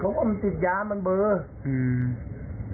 เขาสมมุติกันตีบย้ามันเบอะ